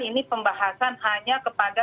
ini pembahasan hanya kepada